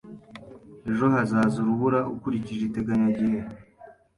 Ejo hazaza urubura ukurikije iteganyagihe.